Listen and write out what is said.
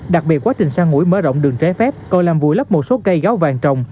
đặc biệt quá trình sang ủi mở rộng đường tré phép coi làm vùi lấp một số cây gáo vàng trồng